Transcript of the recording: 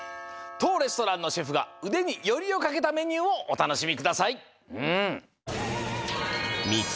とうレストランのシェフがうでによりをかけたメニューをおたのしみください。